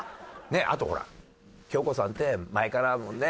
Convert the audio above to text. あとほら京子さんって前からね